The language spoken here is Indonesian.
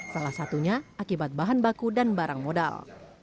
salah satunya akibat bahan baku dan barang modal